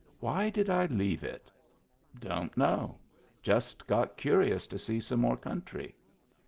Why did I leave it ? Don't know. Just got curious to see some more country.